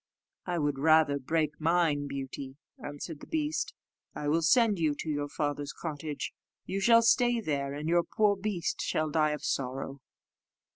"I would rather break mine, Beauty," answered the beast; "I will send you to your father's cottage: you shall stay there, and your poor beast shall die of sorrow."